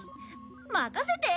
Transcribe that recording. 任せて！